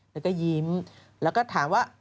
แล้วก็ยิ้มแล้วก็ถามว่า